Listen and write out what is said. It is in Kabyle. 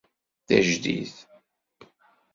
D ajdid.